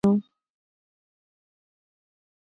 تورې سترګې وایي یا مینه راسره وکړه یا به دې ووژنو.